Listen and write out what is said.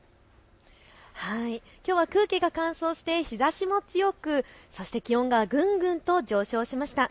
きょうは空気が乾燥して日ざしも強く気温がぐんぐんと上昇しました。